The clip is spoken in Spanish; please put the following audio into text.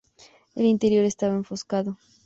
El interior estaba enfoscado.